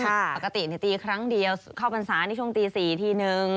ปกติตีครั้งเดียวเข้าพรรษาในช่วงตี๔ทีนึง